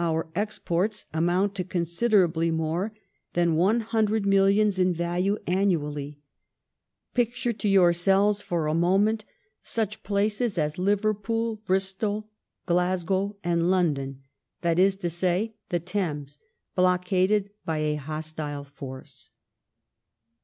Our exports amount to considerably more than one hundred millions in value aimoaUy. Picture to yourselves for a moment such places as Iiiver pool, Bristol, Glasgow, and London, that is to say the Thames, blockaded by a hostile force.